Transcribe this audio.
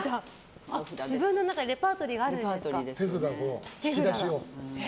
自分の中でレパートリーがあるんですか。